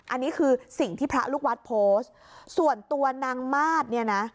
อันนี้คือสิ่งที่พระลูกวัดโพสต์ส่วนตัวนางมาสเนี่ยนะ